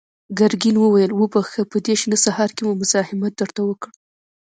ګرګين وويل: وبخښه، په دې شنه سهار کې مو مزاحمت درته وکړ.